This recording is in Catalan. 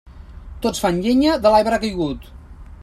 Tots fan llenya de l'arbre caigut.